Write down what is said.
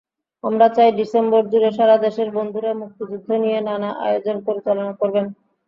আমরা চাই, ডিসেম্বরজুড়ে সারা দেশের বন্ধুরা মুক্তিযুদ্ধ নিয়ে নানা আয়োজন পরিচালনা করবেন।